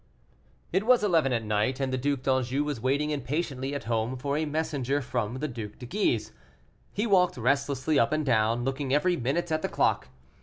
It was eleven at night, and the Duc d'Anjou was waiting impatiently at home for a messenger from the Duc le Guise. He walked restlessly up and down, looking every minute at the clock.